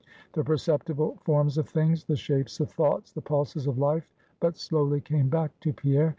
The perceptible forms of things; the shapes of thoughts; the pulses of life, but slowly came back to Pierre.